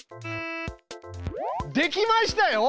できましたよ！